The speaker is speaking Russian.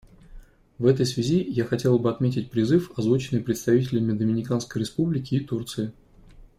В этой связи я хотела бы отметить призыв, озвученный представителями Доминиканской Республики и Турции.